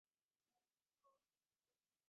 ওই দুজনকে রক্ষা করো।